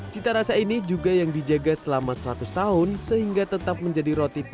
cita rasa ini juga yang dijaga selama seratus tahun sehingga tetap menjadi roti kuning